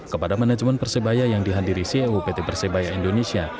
kepada manajemen persebaya yang dihadiri ceo pt persebaya indonesia